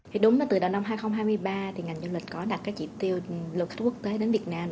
thì đúng là từ đầu năm hai nghìn hai mươi ba thì ngành du lịch có đặt các chỉ tiêu lượt khách quốc tế đến việt nam